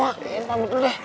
makanin pamit dulu deh